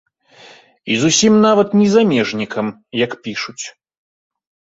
І зусім нават не замежнікам, як пішуць.